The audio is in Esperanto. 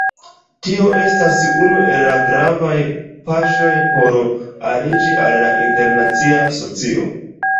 Tio estas unu el la gravaj paŝoj por aliĝi al la internacia socio.